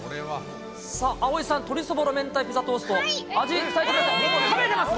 さあ、葵さん、鶏そぼろ明太ピザトースト、味、伝えてください。